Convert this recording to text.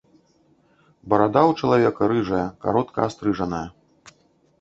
Барада ў чалавека рыжая, каротка астрыжаная.